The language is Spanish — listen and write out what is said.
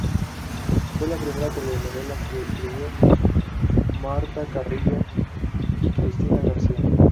Fue la primera telenovela que escribieron Martha Carrillo y Cristina García.